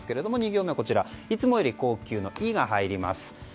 ２行目は、いつもより高級の「イ」が入ります。